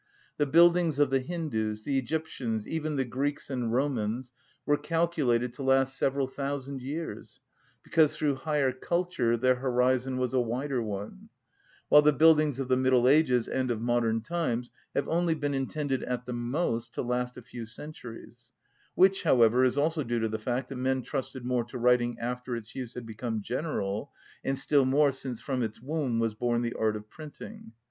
The buildings of the Hindus, the Egyptians, even the Greeks and Romans, were calculated to last several thousand years, because through higher culture their horizon was a wider one; while the buildings of the Middle Ages and of modern times have only been intended, at the most, to last a few centuries; which, however, is also due to the fact that men trusted more to writing after its use had become general, and still more since from its womb was born the art of printing.